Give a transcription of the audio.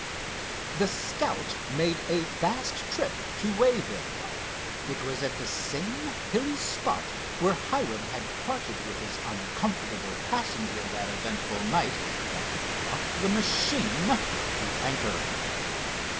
The Scout made a fast trip to Wayville. It was at the same hilly spot where Hiram had parted with his uncomfortable passenger that eventful night that he brought the machine to anchor.